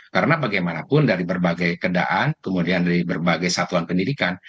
karena bagaimanapun dari berbagai kedaan kemudian dari berbagai satuan pendidikan